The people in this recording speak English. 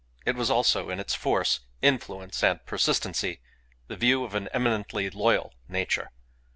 It was also, in its force, influence, and persistency, the view of an eminently loyal nature.